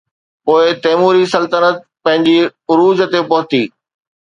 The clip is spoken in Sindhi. پوءِ تيموري سلطنت پنهنجي عروج تي پهتي.